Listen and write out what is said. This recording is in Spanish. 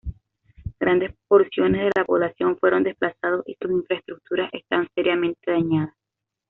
Grandes porciones de la población fueron desplazados y sus infraestructuras están seriamente dañadas.